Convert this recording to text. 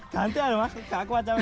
santai dong mas tidak kuat ya kan